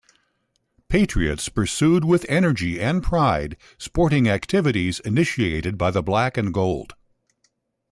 "Patriots" pursued with energy and pride sporting activities initiated by the "Black and Gold".